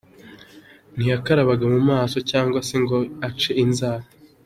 Nti yakarabaga mu maso cyangwa se ngo ace inzara.